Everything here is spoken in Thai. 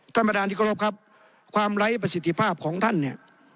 ธรรมดานิกรบครับความไร้ประสิทธิภาพของท่านเนี่ย